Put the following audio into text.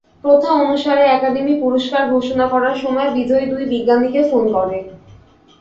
প্রথা অনুসারে, অ্যাকাডেমি পুরস্কার ঘোষণা করার সময় বিজয়ী দুই বিজ্ঞানীকে ফোন করে।